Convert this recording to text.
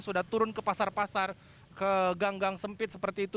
sudah turun ke pasar pasar ke gang gang sempit seperti itu